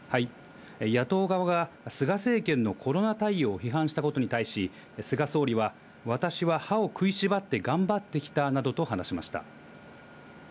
野党側が菅政権のコロナ対応を批判したことに対し、菅総理は、私は歯を食いしばって頑張ってきたなどと話しました。